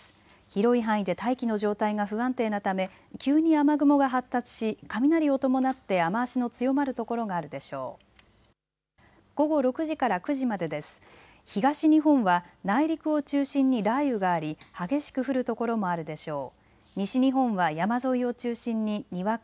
広い範囲で大気の状態が不安定なため急に雨雲が発達し雷を伴って雨足の強まる所があるでしょう。